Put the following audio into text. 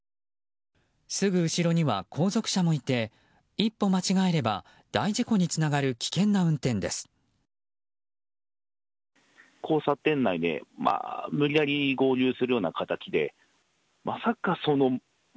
すぐ後ろには後続車もいて一歩間違えれば大事故につながる危険な運転です。